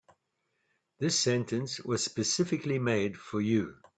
This sentence was specifically made for you.